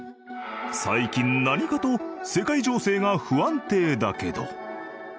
最近何かと世界情勢が不安定だけど。